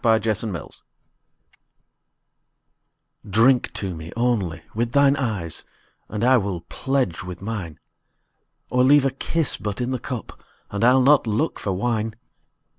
Y Z To Celia DRINK to me, only, with thine eyes, And I will pledge with mine; Or leave a kiss but in the cup, And I'll not look for wine.